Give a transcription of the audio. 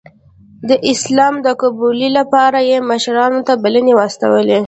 د اسلام د قبول لپاره یې مشرانو ته بلنې واستولې.